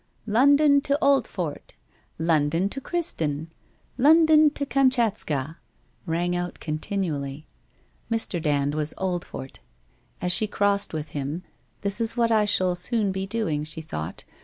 ' London to Old fort !'' London to Criston !'' London to Kamschatka !' rang out continually. Mr. Dand was ' Oldfort.' As she crossed with him —' This is what I shall soon be doing,' she thought.